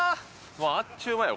もうあっちゅう間よ